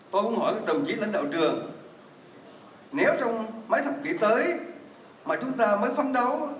tôi cũng hỏi các đồng chí lãnh đạo trường nếu trong mấy thập kỷ tới mà chúng ta mới phấn đấu